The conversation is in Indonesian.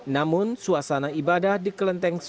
namun suasana ibadah di kelenteng